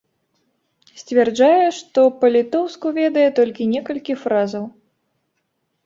Сцвярджае, што па-літоўску ведае толькі некалькі фразаў.